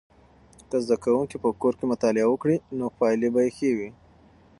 که زده کوونکي په کور کې مطالعه وکړي نو پایلې به یې ښې وي.